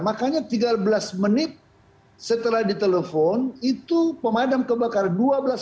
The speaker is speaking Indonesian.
makanya tiga belas menit setelah ditelepon itu pemadam kebakaran